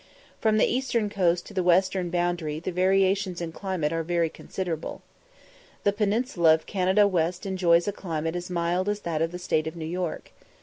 From the eastern coast to the western boundary the variations in climate are very considerable. The peninsula of Canada West enjoys a climate as mild as that of the state of New York.